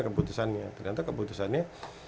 keputusannya ternyata keputusannya